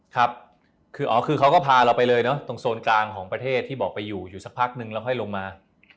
ครับคืออ๋อคือเขาก็พาเราไปเลยเนอะตรงโซนกลางของประเทศที่บอกไปอยู่อยู่สักพักนึงแล้วค่อยลงมา